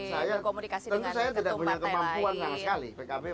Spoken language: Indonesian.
saya tidak punya kemampuan